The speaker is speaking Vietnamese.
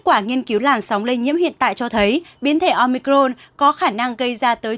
quả nghiên cứu làn sóng lây nhiễm hiện tại cho thấy biến thể omicron có khả năng gây ra tới